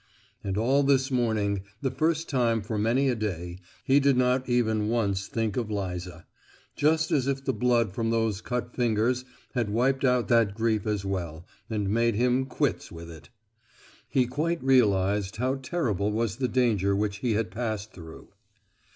And all this morning—the first time for many a day, he did not even once think of Liza; just as if the blood from those cut fingers had wiped out that grief as well, and made him "quits" with it. He quite realized how terrible was the danger which he had passed through.